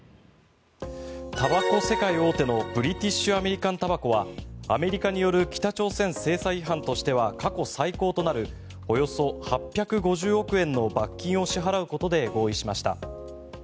たばこ世界大手のブリティッシュ・アメリカン・タバコはアメリカによる北朝鮮制裁違反としては過去最高となるおよそ８５０億円の罰金を支払うことで合意しました。